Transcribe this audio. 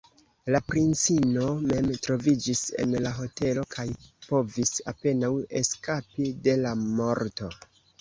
La princino mem troviĝis en la hotelo kaj povis apenaŭ eskapi de la morto.